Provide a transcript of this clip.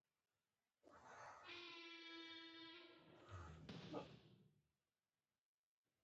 د دې جهیلونو لومړني بستر د یخچالي پروسې پورې اړه لري.